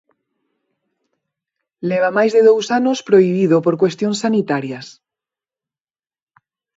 Leva máis de dous anos prohibido por cuestións sanitarias.